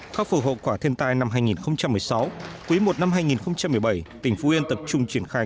khắc phục hậu quả thiên tai năm hai nghìn một mươi sáu quý i năm hai nghìn một mươi bảy tỉnh phú yên tập trung triển khai